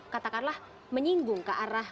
katakanlah menyinggung ke arah